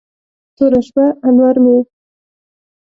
توره شپه، انور مې یې